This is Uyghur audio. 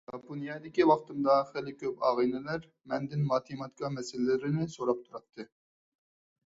ياپونىيەدىكى ۋاقتىمدا خېلى كۆپ ئاغىنىلەر مەندىن ماتېماتىكا مەسىلىلىرىنى سوراپ تۇراتتى.